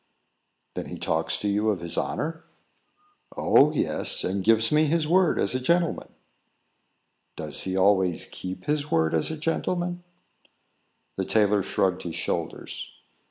"Then, he talks to you of his honour?" "Oh, yes; and gives me his word as a gentleman." "Does he always keep his word as a gentleman?" The tailor shrugged his shoulders.